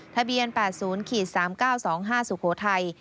ทะเบียน๘๐๓๙๒๕สุโขทัย